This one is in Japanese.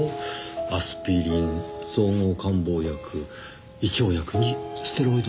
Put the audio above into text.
アスピリン総合感冒薬胃腸薬にステロイド軟膏。